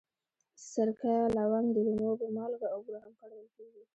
سرکه، لونګ، د لیمو اوبه، مالګه او بوره هم کارول کېږي.